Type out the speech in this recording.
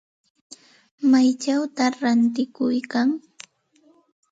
¿Maychawta ratikuykan?